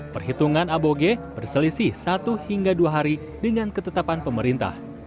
perhitungan aboge berselisih satu hingga dua hari dengan ketetapan pemerintah